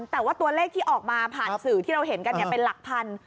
แต่ว่าตัวเลขที่ออกมาผ่านสื่อที่เราเห็นกันเป็นหลักพัน